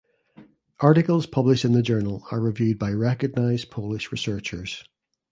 Articles published in the journal are reviewed by recognized Polish researchers.